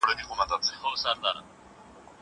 که وخت وي، پاکوالی کوم!؟